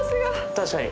確かに。